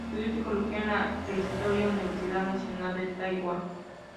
Estudió psicología en la prestigiosa Universidad Nacional de Taiwán.